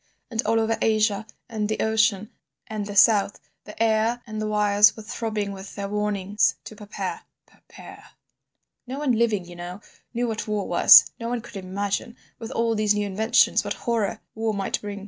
And, all over Asia, and the ocean, and the South, the air and the wires were throbbing with their warnings to prepare—prepare. "No one living, you know, knew what war was; no one could imagine, with all these new inventions, what horror war might bring.